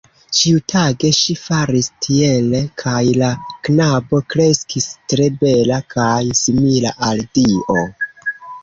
Ĉiutage ŝi faris tiele kaj la knabo kreskis tre bela kaj simila al dio.